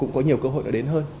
cũng có nhiều cơ hội để đến hơn